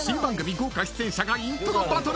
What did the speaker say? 豪華出演者がイントロバトル。